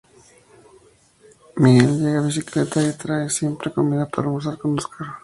Miguel llega en bicicleta y trae siempre comida para almorzar con Óscar.